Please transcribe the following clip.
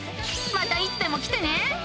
またいつでも来てね。